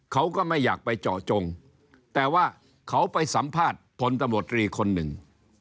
เขาก็ไม่อยากไปเจาะจงแต่ว่าเขาไปสัมภาษณ์พลตำรวจตรีคนหนึ่ง